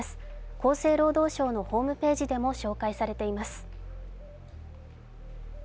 厚生労働省のホームページでも紹介されています。